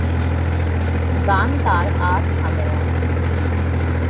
গান তার আর থামে না।